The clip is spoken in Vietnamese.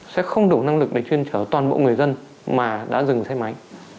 sẽ không đủ năng lực để chuyên chở toàn bộ người dân mà đã dừng xe máy